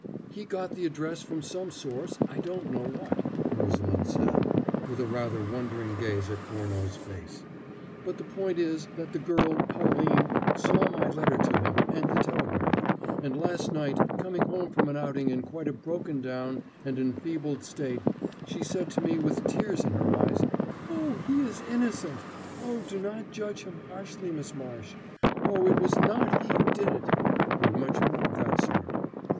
"He got the address from some source, I don't know what," Rosalind said, with a rather wondering gaze at Furneaux's face; "but the point is, that the girl, Pauline, saw my letter to him, and the telegram; and last night, coming home from an outing in quite a broken down and enfeebled state, she said to me with tears in her eyes: 'Oh, he is innocent! Oh, do not judge him harshly, Miss Marsh! Oh, it was not he who did it!' and much more of that sort.